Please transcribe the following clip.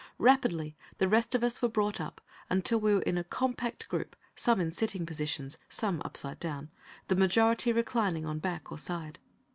Rapidly, the rest of us were brought up, until we were in a compact group, some in sitting positions, some upside down, the majority reclining on back or side.